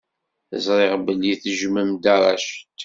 Ẓriɣ belli tejjmem Dda Racid.